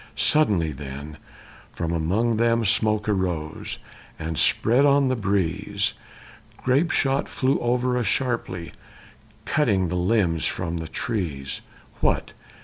Suddenly, then, from among them smoke rose and spread on the breeze; Grapeshot flew over us sharply, cutting the limbs from the trees; "What!